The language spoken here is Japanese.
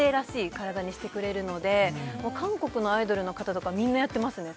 体にしてくれるのでもう韓国のアイドルの方とかみんなやってますね